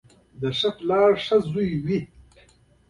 پیرو د خپلې جغرافیې یا کلتور له امله محکومه نه ده.